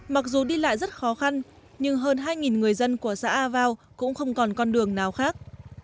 mặc dù đi lại rất khó khăn nhưng hơn hai người dân của xã a vao cũng không còn con đường nào khác